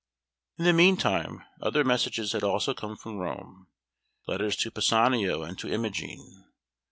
In the meantime other messages had also come from Rome letters to Pisanio and to Imogen.